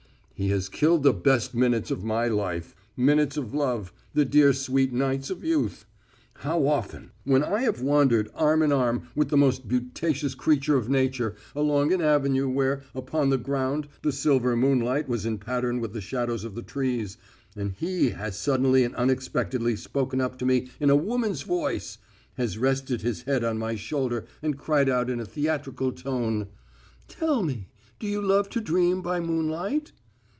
He has killed the best minutes of my life minutes of love, the dear sweet nights of youth. How often, when I have wandered arm in arm with the most beauteous creation of Nature, along an avenue where, upon the ground, the silver moonlight was in pattern with the shadows of the trees, and he has suddenly and unexpectedly spoken up to me in a woman's voice, has rested his head on my shoulder and cried out in a theatrical tone: "Tell me, do you love to dream by moonlight?"